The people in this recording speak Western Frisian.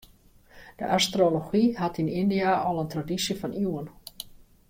De astrology hat yn Yndia al in tradysje fan iuwen.